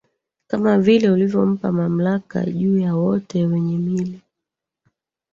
kama vile ulivyompa mamlaka juu ya wote wenye mwili